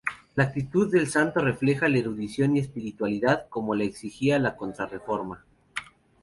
La actitud del santo refleja erudición y espiritualidad, como lo exigía la Contrarreforma.